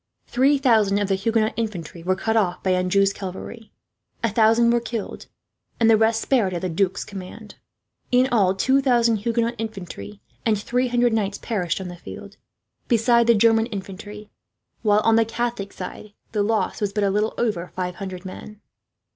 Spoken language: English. Three thousand of the Huguenot infantry were cut off by Anjou's cavalry. A thousand were killed, and the rest spared, at the Duc's command. In all, two thousand Huguenot infantry and three hundred knights perished on the field, besides the German infantry; while on the Catholic side the loss was but a little over five hundred men.